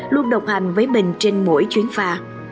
luôn độc hành với mình trên mỗi chuyến phà